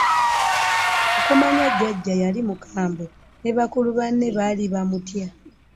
Okumanya jjajja yali mukambwe ne bakulu banne baali bamutya!